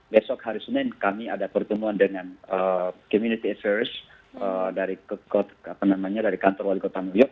besok hari senin kami ada pertemuan dengan community affairs dari kantor wali kota nuyuk